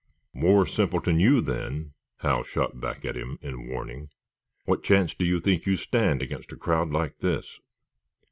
"More simpleton you, then!" Hal shot back at him in warning. "What chance do you think you stand against a crowd like this?"